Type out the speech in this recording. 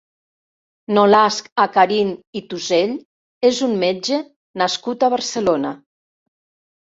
Nolasc Acarín i Tusell és un metge nascut a Barcelona.